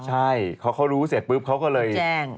ใช่เขารู้เสร็จปุ๊บเขาก็เลยแจ้ง